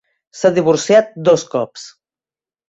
S'ha divorciat dos cops.